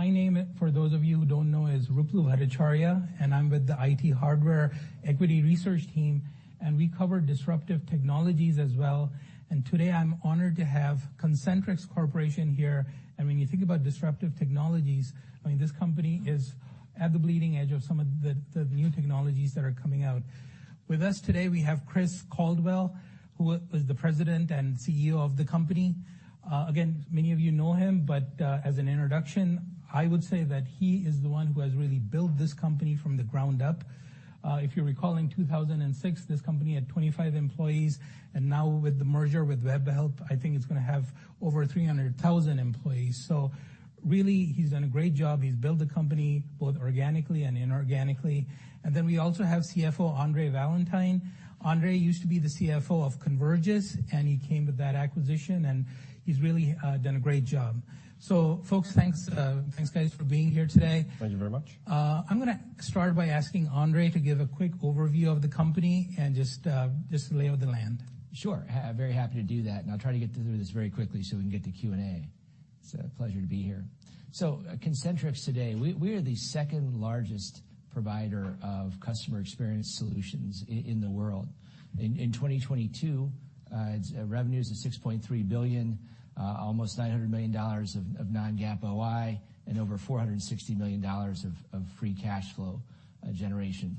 Technology Conference. My name, for those of you who don't know, is Ruplu Bhattacharya. I'm with the IT Hardware Equity research team, and we cover disruptive technologies as well. Today, I'm honored to have Concentrix Corporation here. When you think about disruptive technologies, I mean, this company is at the bleeding edge of some of the new technologies that are coming out. With us today, we have Chris Caldwell, who is the President and CEO of the company. Again, many of you know him, as an introduction, I would say that he is the one who has really built this company from the ground up. If you recall, in 2006, this company had 25 employees. Now with the merger with Webhelp, I think it's gonna have over 300,000 employees. Really, he's done a great job. He's built the company both organically and inorganically. We also have CFO Andre Valentine. Andre used to be the CFO of Convergys, and he came with that acquisition, and he's really done a great job. Folks, thanks, guys, for being here today. Thank you very much. I'm gonna start by asking Andre to give a quick overview of the company and just the lay of the land. Sure. Very happy to do that, and I'll try to get through this very quickly so we can get to Q&A. It's a pleasure to be here. At Concentrix today, we are the second-largest provider of customer experience solutions in the world. In 2022, revenues of $6.3 billion, almost $900 million of non-GAAP OI, and over $460 million of free cash flow generation.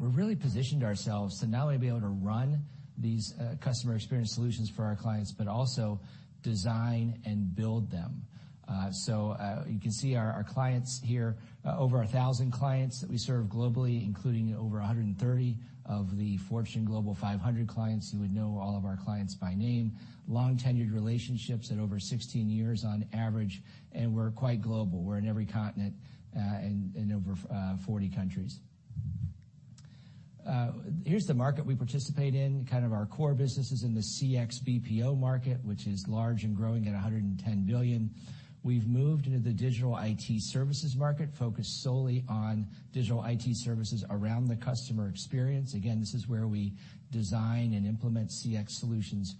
We've really positioned ourselves to not only be able to run these customer experience solutions for our clients, but also design and build them. You can see our clients here, over 1,000 clients that we serve globally, including over 130 of the Fortune Global 500 clients. You would know all of our clients by name, long-tenured relationships at over 16 years on average, and we're quite global. We're in every continent, in over 40 countries. Here's the market we participate in. Kind of our core business is in the CX BPO market, which is large and growing at $110 billion. We've moved into the digital IT services market, focused solely on digital IT services around the customer experience. Again, this is where we design and implement CX solutions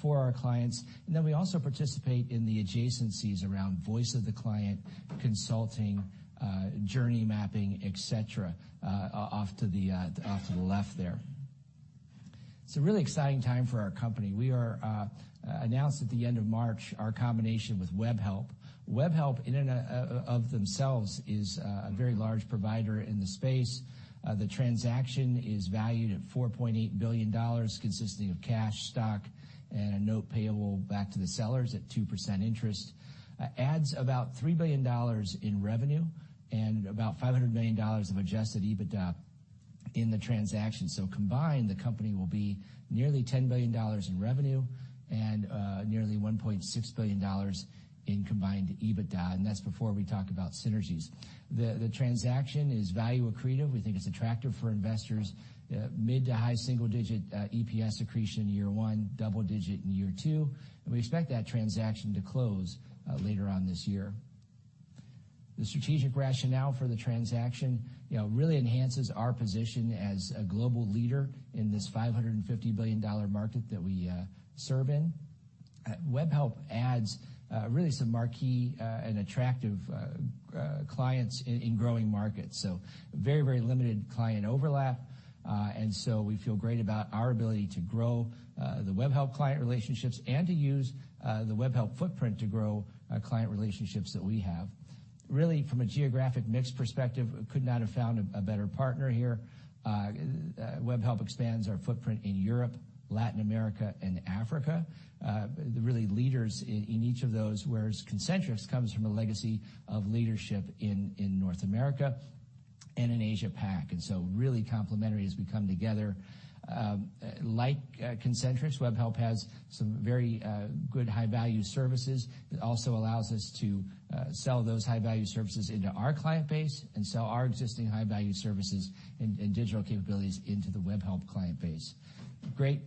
for our clients. We also participate in the adjacencies around voice of the client, consulting, journey mapping, et cetera, off to the left there. It's a really exciting time for our company. We are announced at the end of March our combination with Webhelp. Webhelp in and of themselves is a very large provider in the space. The transaction is valued at $4.8 billion, consisting of cash, stock, and a note payable back to the sellers at 2% interest. adds about $3 billion in revenue and about $500 million of adjusted EBITDA in the transaction. Combined, the company will be nearly $10 billion in revenue and nearly $1.6 billion in combined EBITDA, and that's before we talk about synergies. The transaction is value accretive. We think it's attractive for investors. mid to high single-digit EPS accretion in year one, double-digit in year two, and we expect that transaction to close later on this year. The strategic rationale for the transaction, you know, really enhances our position as a global leader in this $550 billion market that we serve in. Webhelp adds really some marquee and attractive clients in growing markets, so very limited client overlap. We feel great about our ability to grow the Webhelp client relationships and to use the Webhelp footprint to grow our client relationships that we have. Really, from a geographic mix perspective, could not have found a better partner here. Webhelp expands our footprint in Europe, Latin America, and Africa. They're really leaders in each of those, whereas Concentrix comes from a legacy of leadership in North America and in Asia Pac, really complementary as we come together like, Concentrix, Webhelp has some very good high-value services. It also allows us to sell those high-value services into our client base and sell our existing high-value services and digital capabilities into the Webhelp client base. Great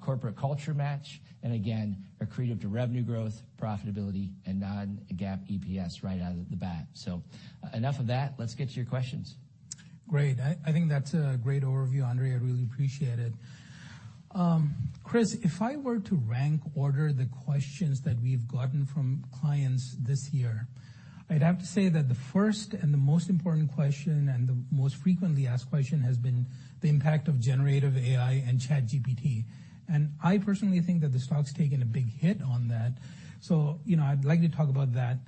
corporate culture match, and again, accretive to revenue growth, profitability, and non-GAAP EPS right out of the bat. Enough of that. Let's get to your questions. Great. I think that's a great overview, Andre. I really appreciate it. Chris, if I were to rank order the questions that we've gotten from clients this year, I'd have to say that the first and the most important question, and the most frequently asked question, has been the impact of generative AI and ChatGPT. I personally think that the stock's taken a big hit on that, you know, I'd like to talk about that.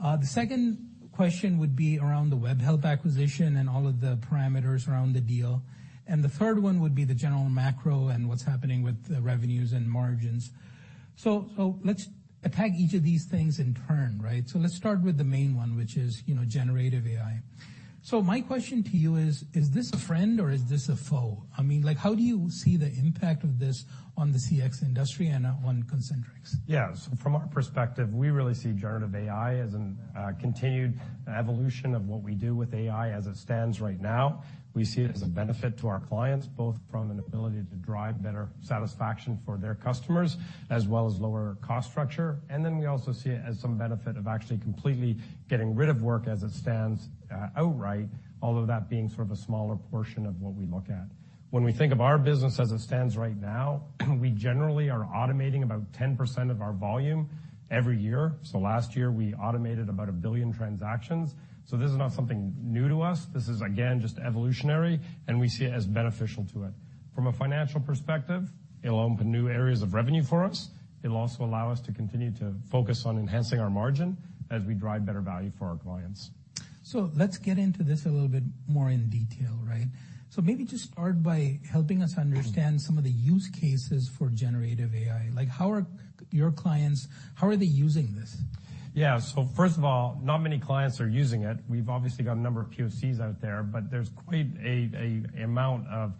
The second question would be around the Webhelp acquisition and all of the parameters around the deal, the third one would be the general macro and what's happening with the revenues and margins. Let's attack each of these things in turn, right? Let's start with the main one, which is, you know, generative AI. My question to you is this a friend or is this a foe? I mean, like, how do you see the impact of this on the CX industry and on Concentrix? From our perspective, we really see generative AI as an continued evolution of what we do with AI as it stands right now. We see it as a benefit to our clients, both from an ability to drive better satisfaction for their customers, as well as lower cost structure, and then we also see it as some benefit of actually completely getting rid of work as it stands, outright, although that being sort of a smaller portion of what we look at. When we think of our business as it stands right now, we generally are automating about 10% of our volume every year. Last year, we automated about 1 billion transactions, so this is not something new to us. This is, again, just evolutionary, and we see it as beneficial to it. From a financial perspective, it'll open new areas of revenue for us. It'll also allow us to continue to focus on enhancing our margin as we drive better value for our clients. Let's get into this a little bit more in detail, right? Maybe just start by helping us understand some of the use cases for generative AI. Like, how are your clients, how are they using this? First of all, not many clients are using it. We've obviously got a number of POCs out there, but there's quite a amount of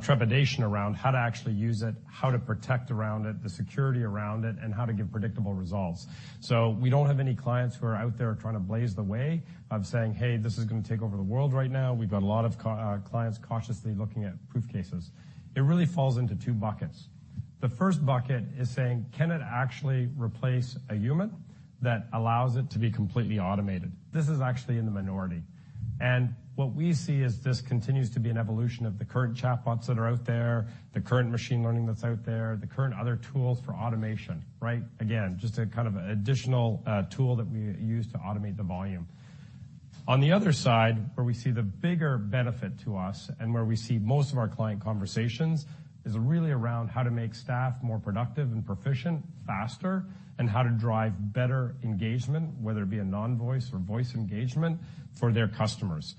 trepidation around how to actually use it, how to protect around it, the security around it, and how to get predictable results. We don't have any clients who are out there trying to blaze the way of saying, "Hey, this is gonna take over the world right now." We've got a lot of clients cautiously looking at proof cases. It really falls into two buckets. The first bucket is saying, can it actually replace a human that allows it to be completely automated? This is actually in the minority. What we see is this continues to be an evolution of the current chatbots that are out there, the current machine learning that's out there, the current other tools for automation, right? Again, just a kind of additional tool that we use to automate the volume. On the other side, where we see the bigger benefit to us and where we see most of our client conversations, is really around how to make staff more productive and proficient faster, and how to drive better engagement, whether it be a non-voice or voice engagement for their customers.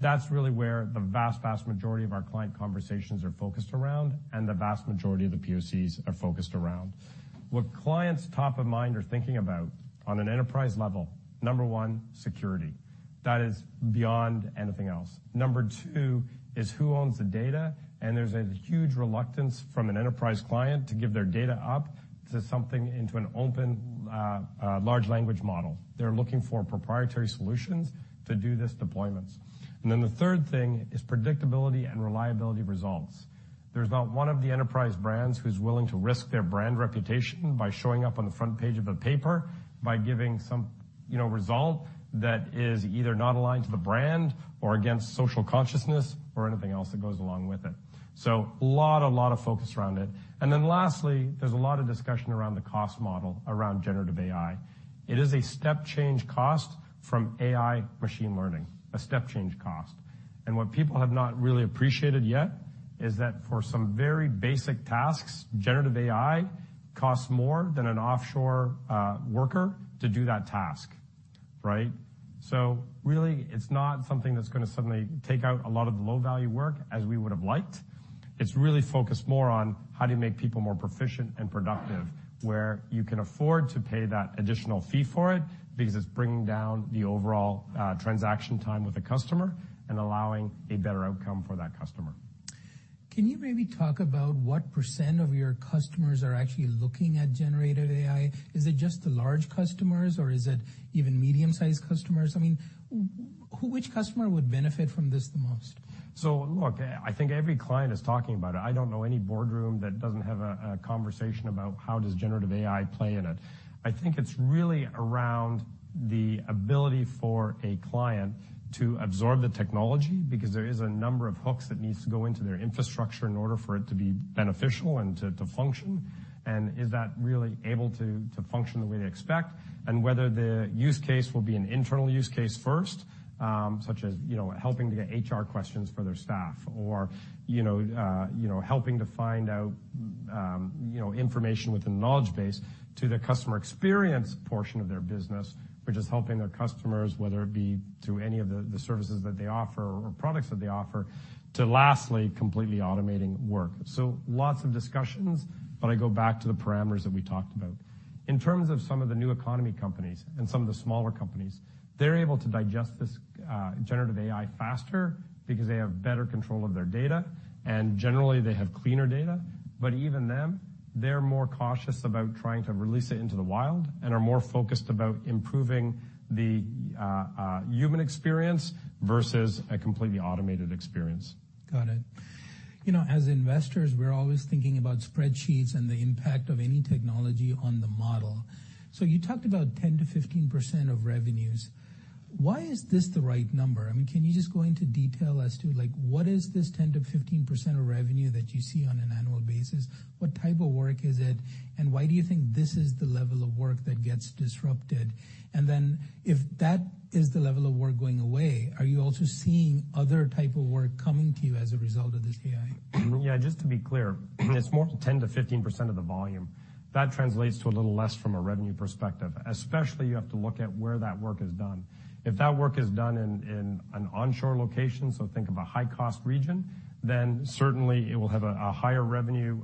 That's really where the vast majority of our client conversations are focused around, and the vast majority of the POCs are focused around. What clients top of mind are thinking about on an enterprise level, number one, security. That is beyond anything else. Number two is who owns the data. There's a huge reluctance from an enterprise client to give their data up to something into an open large language model. They're looking for proprietary solutions to do these deployments. The third thing is predictability and reliability of results. There's not one of the enterprise brands who's willing to risk their brand reputation by showing up on the front page of a paper, by giving some, you know, result that is either not aligned to the brand or against social consciousness, or anything else that goes along with it. A lot of focus around it. Lastly, there's a lot of discussion around the cost model, around generative AI. It is a step change cost from AI machine learning, a step change cost. What people have not really appreciated yet, is that for some very basic tasks, generative AI costs more than an offshore worker to do that task, right? Really, it's not something that's gonna suddenly take out a lot of the low-value work as we would have liked. It's really focused more on how do you make people more proficient and productive, where you can afford to pay that additional fee for it, because it's bringing down the overall transaction time with the customer and allowing a better outcome for that customer. Can you maybe talk about what % of your customers are actually looking at generative AI? Is it just the large customers, or is it even medium-sized customers? I mean, which customer would benefit from this the most? Look, I think every client is talking about it. I don't know any boardroom that doesn't have a conversation about how does generative AI play in it? I think it's really around the ability for a client to absorb the technology, because there is a number of hooks that needs to go into their infrastructure in order for it to be beneficial and to function. Is that really able to function the way they expect? Whether the use case will be an internal use case first, such as, you know, helping to get HR questions for their staff, or, you know, helping to find out, you know, information within the knowledge base to the customer experience portion of their business. Which is helping their customers, whether it be through any of the services that they offer or products that they offer, to lastly, completely automating work. Lots of discussions, but I go back to the parameters that we talked about. In terms of some of the new economy companies and some of the smaller companies, they're able to digest this generative AI faster because they have better control of their data, and generally, they have cleaner data. Even them, they're more cautious about trying to release it into the wild and are more focused about improving the human experience versus a completely automated experience. Got it. You know, as investors, we're always thinking about spreadsheets and the impact of any technology on the model. You talked about 10%-15% of revenues. Why is this the right number? I mean, can you just go into detail as to, like, what is this 10%-15% of revenue that you see on an annual basis? What type of work is it, and why do you think this is the level of work that gets disrupted? If that is the level of work going away, are you also seeing other type of work coming to you as a result of this AI? Just to be clear, it's more 10%-15% of the volume. That translates to a little less from a revenue perspective, especially you have to look at where that work is done. If that work is done in an onshore location, so think of a high-cost region, then certainly it will have a higher revenue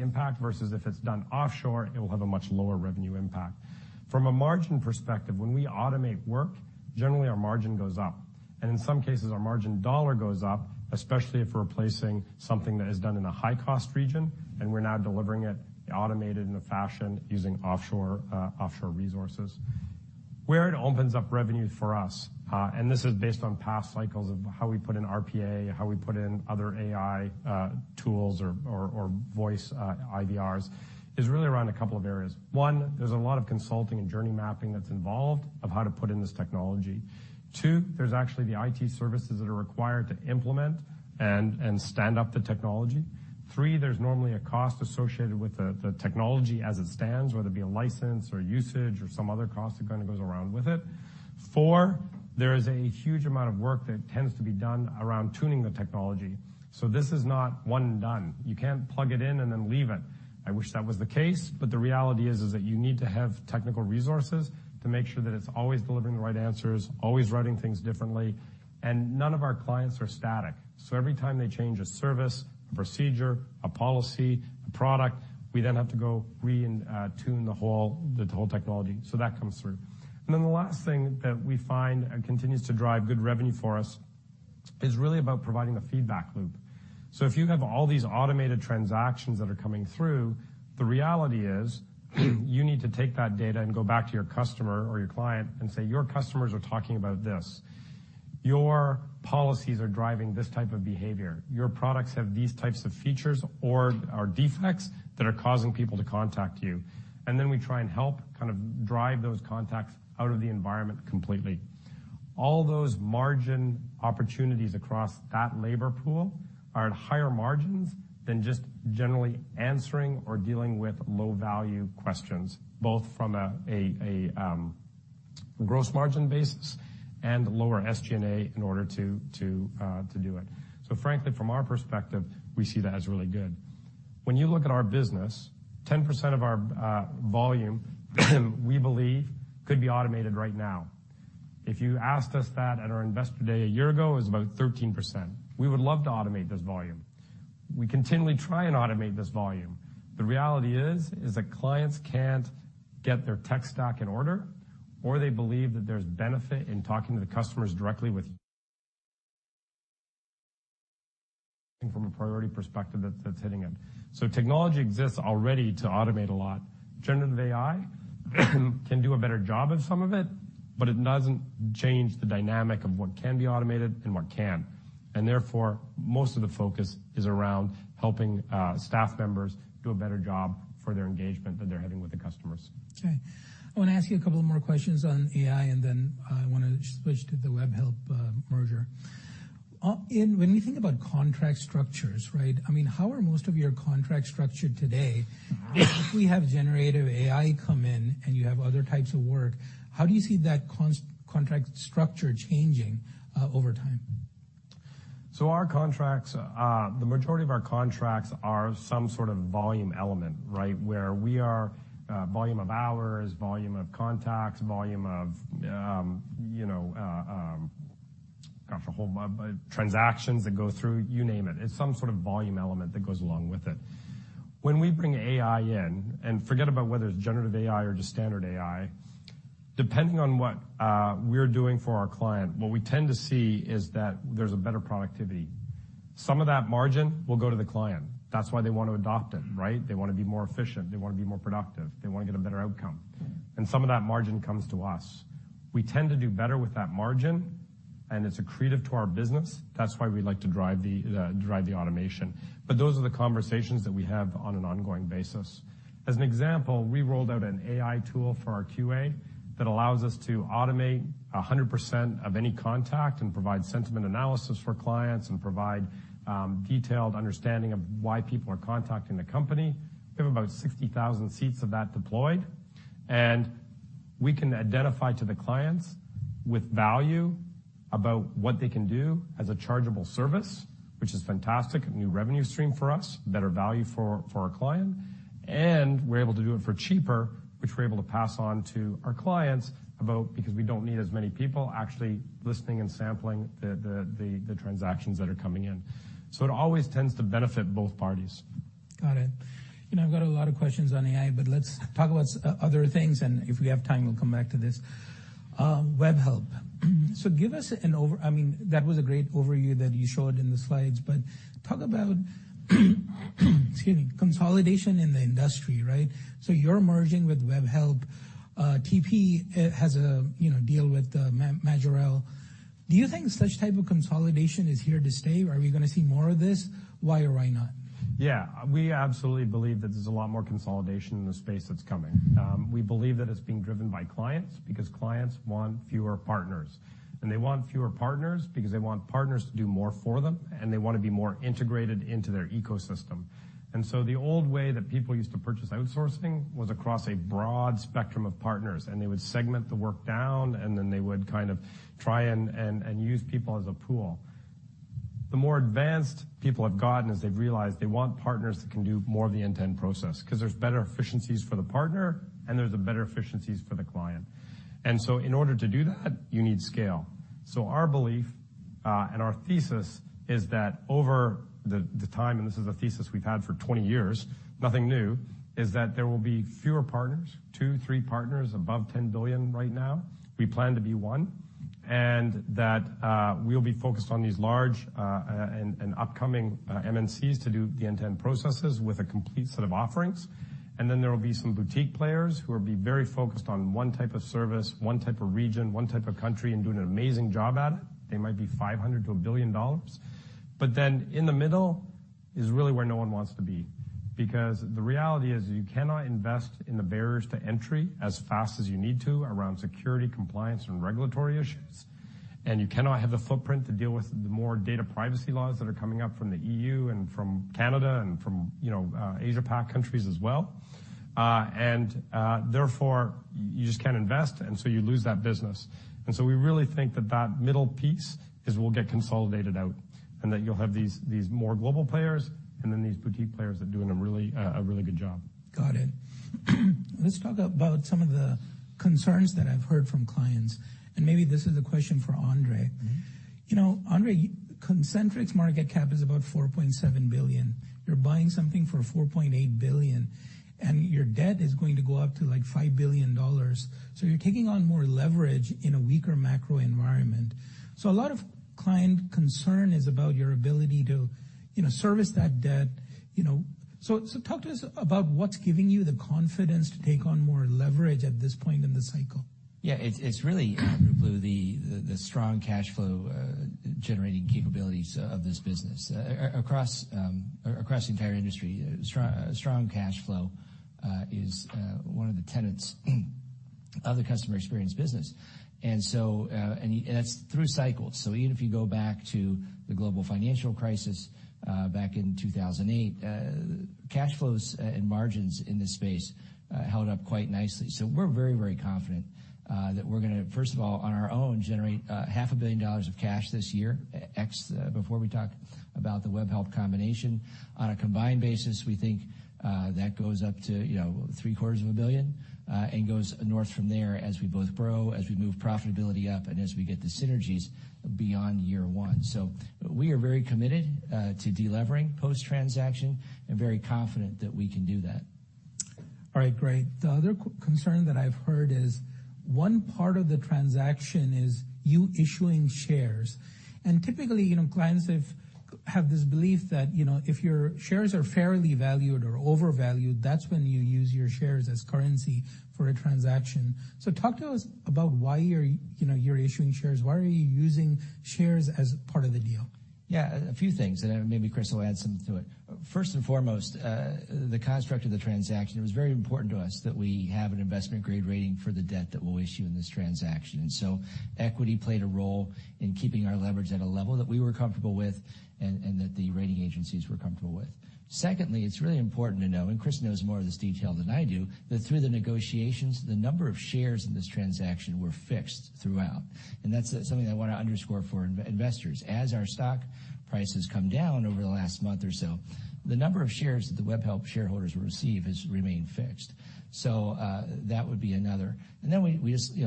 impact, versus if it's done offshore, it will have a much lower revenue impact. From a margin perspective, when we automate work, generally our margin goes up, and in some cases, our margin dollar goes up, especially if we're replacing something that is done in a high-cost region, and we're now delivering it automated in a fashion using offshore resources. Where it opens up revenue for us, this is based on past cycles of how we put in RPA, how we put in other AI, tools or voice, IVRs, is really around a couple of areas. One, there's a lot of consulting and journey mapping that's involved of how to put in this technology. Two, there's actually the IT services that are required to implement and stand up the technology. Three, there's normally a cost associated with the technology as it stands, whether it be a license or usage or some other cost that kind of goes around with it. Four, there is a huge amount of work that tends to be done around tuning the technology. This is not one and done. You can't plug it in and then leave it. I wish that was the case, but the reality is that you need to have technical resources to make sure that it's always delivering the right answers, always writing things differently. None of our clients are static. Every time they change a service, a procedure, a policy, a product, we then have to go retune the whole technology. That comes through. The last thing that we find and continues to drive good revenue for us is really about providing the feedback loop. If you have all these automated transactions that are coming through, the reality is, you need to take that data and go back to your customer or your client and say, "Your customers are talking about this. Your policies are driving this type of behavior. Your products have these types of features or are defects that are causing people to contact you. We try and help kind of drive those contacts out of the environment completely. All those margin opportunities across that labor pool are at higher margins than just generally answering or dealing with low-value questions, both from a gross margin basis and lower SG&A in order to do it. Frankly, from our perspective, we see that as really good. When you look at our business, 10% of our volume, we believe, could be automated right now. If you asked us that at our investor day a year ago, it was about 13%. We would love to automate this volume. We continually try and automate this volume. The reality is that clients can't get their tech stack in order, or they believe that there's benefit in talking to the customers directly with. From a priority perspective, that's hitting it. Technology exists already to automate a lot. Generative AI can do a better job of some of it, but it doesn't change the dynamic of what can be automated and what can't. Therefore, most of the focus is around helping staff members do a better job for their engagement that they're having with the customers. Okay. I want to ask you a couple more questions on AI, and then, I want to switch to the Webhelp merger. In, when you think about contract structures, right, I mean, how are most of your contracts structured today? If we have generative AI come in and you have other types of work, how do you see that contract structure changing over time? Our contracts, the majority of our contracts are some sort of volume element, right? Where we are, volume of hours, volume of contacts, volume of, you know, gosh, a whole bunch, transactions that go through, you name it. It's some sort of volume element that goes along with it. When we bring AI in, and forget about whether it's generative AI or just standard AI, depending on what we're doing for our client, what we tend to see is that there's a better productivity. Some of that margin will go to the client. That's why they want to adopt it, right? They want to be more efficient, they want to be more productive, they want to get a better outcome. Some of that margin comes to us. We tend to do better with that margin, and it's accretive to our business. That's why we like to drive the drive the automation. Those are the conversations that we have on an ongoing basis. As an example, we rolled out an AI tool for our QA that allows us to automate 100% of any contact and provide sentiment analysis for clients and provide detailed understanding of why people are contacting the company. We have about 60,000 seats of that deployed, and we can identify to the clients with value about what they can do as a chargeable service, which is fantastic, a new revenue stream for us, better value for our client. We're able to do it for cheaper, which we're able to pass on to our clients about, because we don't need as many people actually listening and sampling the transactions that are coming in. It always tends to benefit both parties. Got it. You know, I've got a lot of questions on AI, but let's talk about other things, and if we have time, we'll come back to this. Webhelp. Give us an overview. I mean, that was a great overview that you showed in the slides, but talk about, excuse me, consolidation in the industry, right? You're merging with Webhelp. TP has a, you know, deal with Majorel. Do you think such type of consolidation is here to stay, or are we gonna see more of this? Why or why not? Yeah, we absolutely believe that there's a lot more consolidation in the space that's coming. We believe that it's being driven by clients, because clients want fewer partners. They want fewer partners because they want partners to do more for them, and they want to be more integrated into their ecosystem. The old way that people used to purchase outsourcing was across a broad spectrum of partners, and they would segment the work down, and then they would kind of try and use people as a pool. The more advanced people have gotten is they've realized they want partners that can do more of the intent process, 'cause there's better efficiencies for the partner, and there's a better efficiencies for the client. In order to do that, you need scale. Our belief, and our thesis is that over the time, and this is a thesis we've had for 20 years, nothing new, is that there will be fewer partners, 2, 3 partners above $10 billion right now. We plan to be one. That, we'll be focused on these large and upcoming MNCs to do the end-to-end processes with a complete set of offerings. Then there will be some boutique players who will be very focused on one type of service, one type of region, one type of country, and doing an amazing job at it. They might be $500 million-$1 billion. Then in the middle is really where no one wants to be. because the reality is, you cannot invest in the barriers to entry as fast as you need to around security, compliance, and regulatory issues, and you cannot have the footprint to deal with the more data privacy laws that are coming up from the EU and from Canada and from, you know, Asia Pac countries as well. Therefore, you just can't invest, and so you lose that business. We really think that that middle piece will get consolidated out, and that you'll have these more global players and then these boutique players are doing a really good job. Got it. Let's talk about some of the concerns that I've heard from clients. Maybe this is a question for Andre. You know, Andre, Concentrix market cap is about $4.7 billion. You're buying something for $4.8 billion, and your debt is going to go up to, like, $5 billion, so you're taking on more leverage in a weaker macro environment. A lot of client concern is about your ability to, you know, service that debt, you know. Talk to us about what's giving you the confidence to take on more leverage at this point in the cycle. It's really, Ruplu, the strong cash flow generating capabilities of this business. Across the entire industry, strong cash flow is one of the tenets of the customer experience business. That's through cycles. Even if you go back to the global financial crisis, back in 2008, cash flows and margins in this space held up quite nicely. We're very confident that we're gonna, first of all, on our own, generate $half a billion of cash this year before we talk about the Webhelp combination. On a combined basis, we think, that goes up to, you know, three quarters of a billion, and goes north from there as we both grow, as we move profitability up, and as we get the synergies beyond year one. We are very committed, to delevering post-transaction and very confident that we can do that. All right, great. The other concern that I've heard is one part of the transaction is you issuing shares. Typically, you know, clients have this belief that, you know, if your shares are fairly valued or overvalued, that's when you use your shares as currency for a transaction. Talk to us about why you're, you know, you're issuing shares. Why are you using shares as part of the deal? A few things, and maybe Chris will add some to it. First and foremost, the construct of the transaction, it was very important to us that we have an investment-grade rating for the debt that we'll issue in this transaction. Equity played a role in keeping our leverage at a level that we were comfortable with, and that the rating agencies were comfortable with. Secondly, it's really important to know, and Chris knows more of this detail than I do, that through the negotiations, the number of shares in this transaction were fixed throughout, and that's something I wanna underscore for investors. As our stock prices come down over the last month or so, the number of shares that the Webhelp shareholders will receive has remained fixed. That would be another. We just, you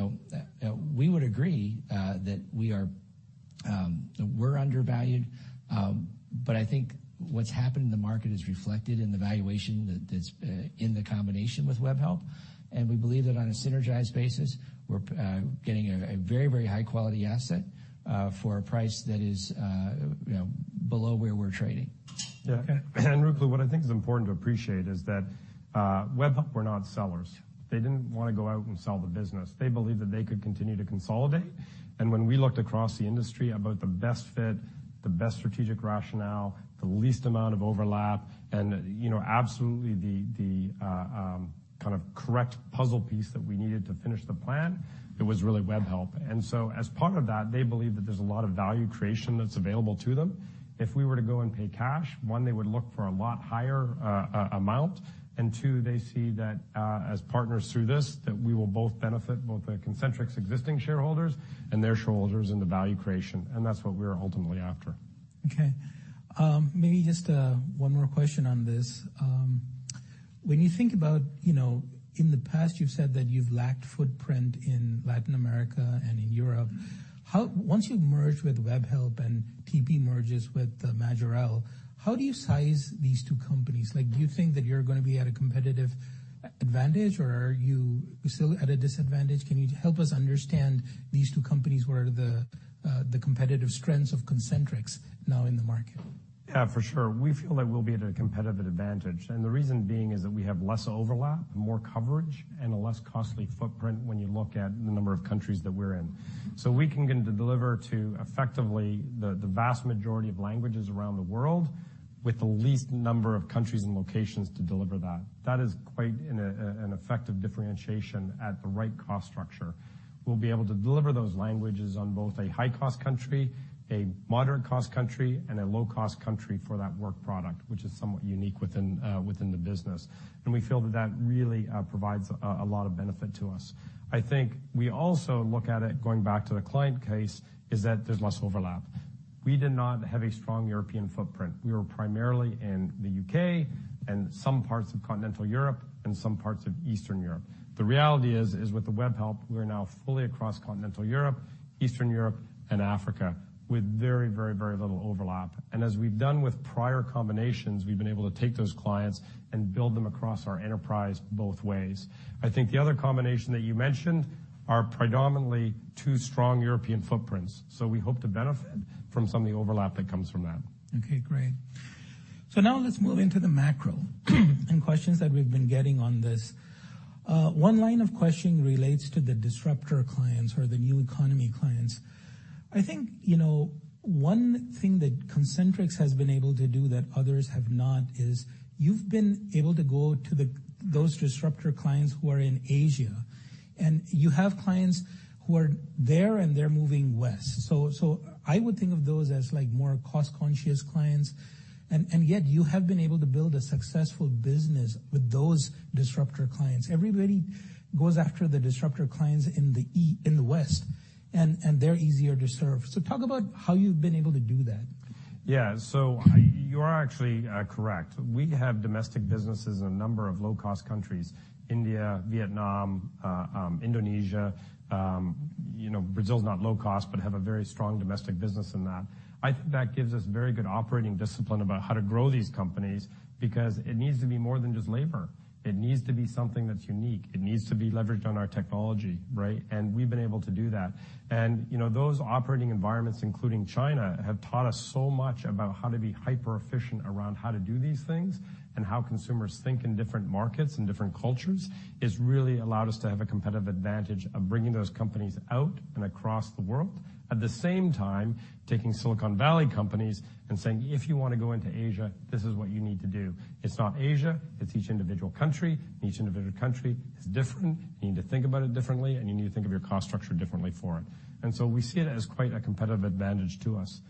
know, we would agree that we're undervalued. I think what's happened in the market is reflected in the valuation that's in the combination with Webhelp. We believe that on a synergized basis, we're getting a very, very high quality asset for a price that is, you know, below where we're trading. Ruplu, what I think is important to appreciate is that Webhelp were not sellers. They didn't wanna go out and sell the business. They believed that they could continue to consolidate. When we looked across the industry about the best fit, the best strategic rationale, the least amount of overlap, and, you know, absolutely the kind of correct puzzle piece that we needed to finish the plan, it was really Webhelp. As part of that, they believe that there's a lot of value creation that's available to them. If we were to go and pay cash, 1, they would look for a lot higher amount, and 2, they see that as partners through this, that we will both benefit, both the Concentrix existing shareholders and their shareholders in the value creation, and that's what we're ultimately after. Okay. Maybe just one more question on this. When you think about, you know, in the past, you've said that you've lacked footprint in Latin America and in Europe. Once you've merged with Webhelp and TP merges with Majorel, how do you size these two companies? Like, do you think that you're gonna be at a competitive advantage, or are you still at a disadvantage? Can you help us understand these two companies, where are the competitive strengths of Concentrix now in the market? Yeah, for sure. We feel that we'll be at a competitive advantage. The reason being is that we have less overlap, more coverage, and a less costly footprint when you look at the number of countries that we're in. We can begin to deliver to effectively the vast majority of languages around the world with the least number of countries and locations to deliver that. That is quite an effective differentiation at the right cost structure. We'll be able to deliver those languages on both a high-cost country, a moderate-cost country, and a low-cost country for that work product, which is somewhat unique within the business. We feel that that really provides a lot of benefit to us. I think we also look at it, going back to the client case, is that there's less overlap. We did not have a strong European footprint. We were primarily in the UK and some parts of continental Europe and some parts of Eastern Europe. The reality is, with the Webhelp, we're now fully across continental Europe, Eastern Europe, and Africa, with very little overlap. As we've done with prior combinations, we've been able to take those clients and build them across our enterprise both ways. I think the other combination that you mentioned are predominantly two strong European footprints, so we hope to benefit from some of the overlap that comes from that. Okay, great. Now let's move into the macro and questions that we've been getting on this. One line of questioning relates to the disruptor clients or the new economy clients. I think, you know, one thing that Concentrix has been able to do that others have not, is you've been able to go to those disruptor clients who are in Asia, and you have clients who are there, and they're moving west. I would think of those as like more cost-conscious clients, and yet you have been able to build a successful business with those disruptor clients. Everybody goes after the disruptor clients in the West, and they're easier to serve. Talk about how you've been able to do that. You are actually correct. We have domestic businesses in a number of low-cost countries, India, Vietnam, Indonesia. You know, Brazil is not low cost, but have a very strong domestic business in that. I think that gives us very good operating discipline about how to grow these companies, because it needs to be more than just labor. It needs to be something that's unique. It needs to be leveraged on our technology, right? We've been able to do that. You know, those operating environments, including China, have taught us so much about how to be hyper-efficient around how to do these things and how consumers think in different markets and different cultures. It's really allowed us to have a competitive advantage of bringing those companies out and across the world. At the same time, taking Silicon Valley companies and saying, "If you want to go into Asia, this is what you need to do. It's not Asia, it's each individual country. Each individual country is different. You need to think about it differently, and you need to think of your cost structure differently for it." We see it as quite a competitive advantage to us.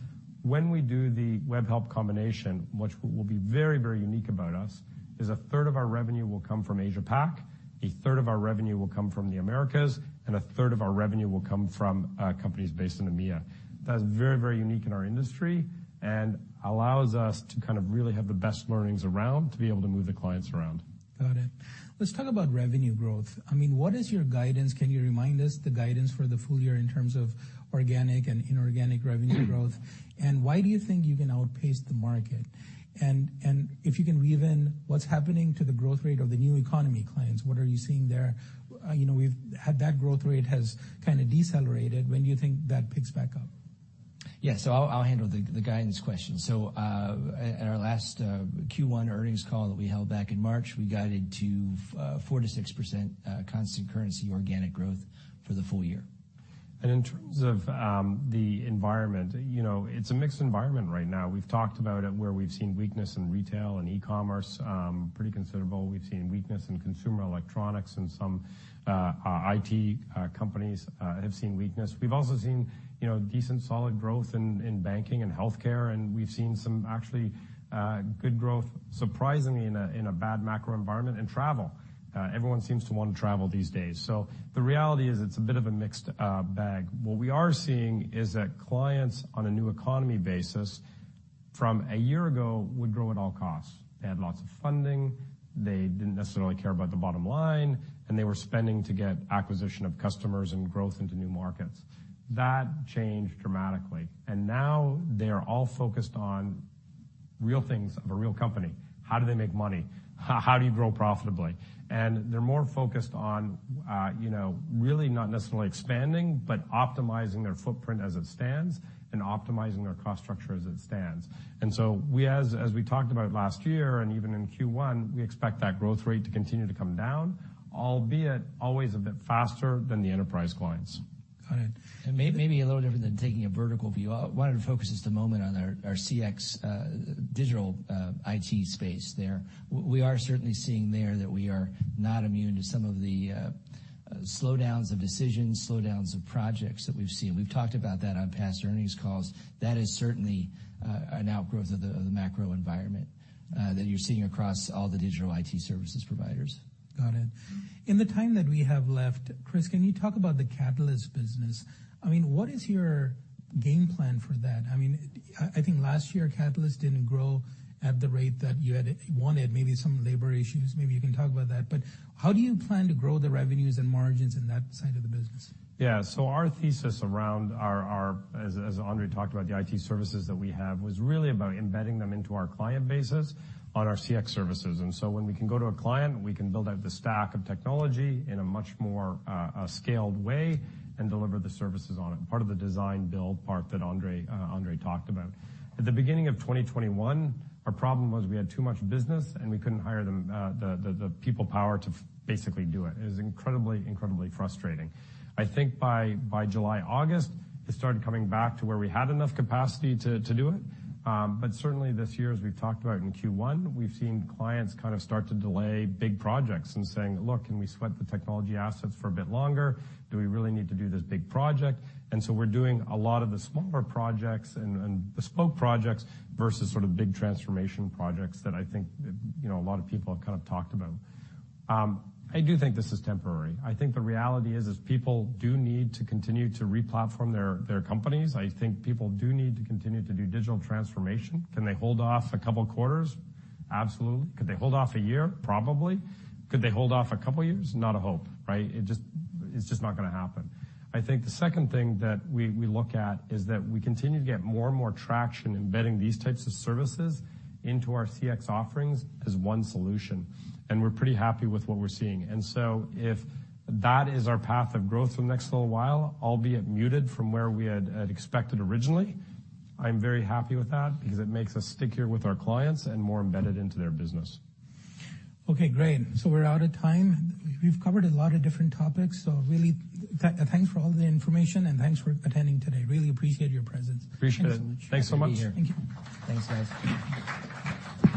When we do the Webhelp combination, which will be very, very unique about us, is a third of our revenue will come from Asia-Pac, a third of our revenue will come from the Americas, and a third of our revenue will come from companies based in EMEA. That's very, very unique in our industry and allows us to kind of really have the best learnings around to be able to move the clients around. Got it. Let's talk about revenue growth. I mean, what is your guidance? Can you remind us the guidance for the full year in terms of organic and inorganic revenue growth. Why do you think you can outpace the market? If you can weave in what's happening to the growth rate of the new economy clients, what are you seeing there? You know, we've had that growth rate has kinda decelerated. When do you think that picks back up? Yeah, so I'll handle the guidance question. At our last Q1 earnings call that we held back in March, we guided to 4%-6% constant currency organic growth for the full year. In terms of the environment, you know, it's a mixed environment right now. We've talked about it, where we've seen weakness in retail and e-commerce, pretty considerable. We've seen weakness in consumer electronics and some IT companies have seen weakness. We've also seen, you know, decent, solid growth in banking and healthcare, and we've seen some actually good growth, surprisingly, in a bad macro environment in travel. Everyone seems to want to travel these days. The reality is it's a bit of a mixed bag. What we are seeing is that clients on a new economy basis from a year ago would grow at all costs. They had lots of funding. They didn't necessarily care about the bottom line, and they were spending to get acquisition of customers and growth into new markets. That changed dramatically. Now they are all focused on real things of a real company. How do they make money? How do you grow profitably? They're more focused on, you know, really not necessarily expanding, but optimizing their footprint as it stands and optimizing their cost structure as it stands. We, as we talked about last year and even in Q1, we expect that growth rate to continue to come down, albeit always a bit faster than the enterprise clients. Got it. Maybe a little different than taking a vertical view, I wanted to focus just a moment on our CX digital IT space there. We are certainly seeing there that we are not immune to some of the slowdowns of decisions, slowdowns of projects that we've seen. We've talked about that on past earnings calls. That is certainly an outgrowth of the macro environment that you're seeing across all the digital IT services providers. Got it. In the time that we have left, Chris, can you talk about the Catalyst business? I mean, what is your game plan for that? I mean, I think last year, Catalyst didn't grow at the rate that you had wanted, maybe some labor issues. Maybe you can talk about that. How do you plan to grow the revenues and margins in that side of the business? Our thesis around our as Andre talked about, the IT services that we have, was really about embedding them into our client bases on our CX services. When we can go to a client, we can build out the stack of technology in a much more scaled way and deliver the services on it, part of the design build part that Andre talked about. At the beginning of 2021, our problem was we had too much business, and we couldn't hire them the people power to basically do it. It was incredibly frustrating. I think by July, August, it started coming back to where we had enough capacity to do it. Certainly this year, as we've talked about in Q1, we've seen clients kind of start to delay big projects and saying: "Look, can we sweat the technology assets for a bit longer? Do we really need to do this big project?" We're doing a lot of the smaller projects and bespoke projects versus sort of big transformation projects that I think, you know, a lot of people have kind of talked about. I do think this is temporary. I think the reality is people do need to continue to replatform their companies. I think people do need to continue to do digital transformation. Can they hold off a couple quarters? Absolutely. Could they hold off a year? Probably. Could they hold off a couple years? Not a hope, right? It just, it's just not gonna happen. I think the second thing that we look at is that we continue to get more and more traction embedding these types of services into our CX offerings as one solution, and we're pretty happy with what we're seeing. If that is our path of growth for the next little while, albeit muted from where we had expected originally, I'm very happy with that because it makes us stickier with our clients and more embedded into their business. Okay, great. We're out of time. We've covered a lot of different topics, really, thanks for all the information, and thanks for attending today. Really appreciate your presence. Appreciate it. Thanks so much. Thanks so much. Thank you. Thanks, guys.